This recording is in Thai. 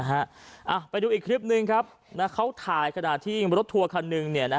อ้าไปดูอีกคลิปนึงครับนะเขาถ่ายขนาดที่รถทัวกันหนึ่งเนี่ย